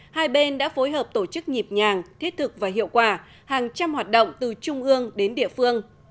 hai bên đã phối hợp tổ chức nhịp nhàng thiết thực và hiệu quả hàng trăm hoạt động từ trung ương đến địa phương